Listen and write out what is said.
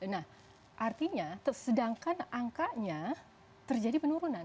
nah artinya sedangkan angkanya terjadi penurunan